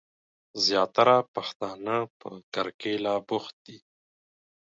زياتره پښتنه په کرکيله بوخت دي.